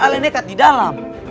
ale nekat di dalam